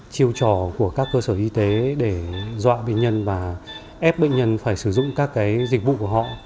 chiêu trò của các cơ sở y tế để dọa bệnh nhân và ép bệnh nhân phải sử dụng các dịch vụ của họ